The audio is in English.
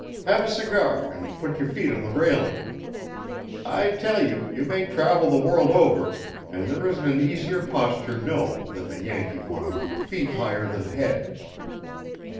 Have a cigar, and put your feet on the railing. I tell you, you may travel the world over, and there isn't an easier posture known, than the Yankee one of 'feet higher than head.'"